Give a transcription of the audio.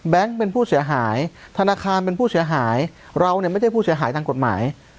เป็นผู้เสียหายธนาคารเป็นผู้เสียหายเราเนี่ยไม่ใช่ผู้เสียหายทางกฎหมาย